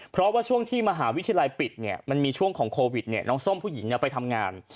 เพราะว่าช่วงที่มหาวิทยาลัยปิดเนี่ยมันมีช่วงของโควิดน้องส้มผู้หญิงไปทำงาน